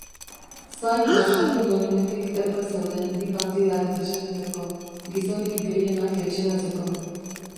Zain bazkalondorenetik erne zeuden bi partidak desegiteko, gizonik gehienak etxeratzeko.